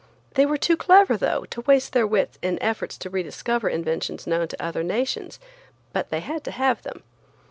They were too clever though to waste their wits in efforts to rediscover inventions known to other nations, but they had to have them.